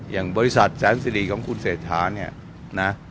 อย่างบริษัทแสนสิริของคุณเศรษฐาเนี่ยนะ